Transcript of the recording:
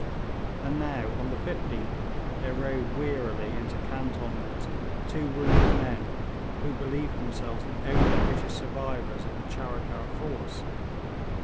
And now, on the 15th, there rode wearily into cantonments two wounded men, who believed themselves the only British survivors of the Charikar force.